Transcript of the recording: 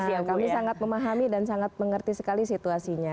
ya kami sangat memahami dan sangat mengerti sekali situasinya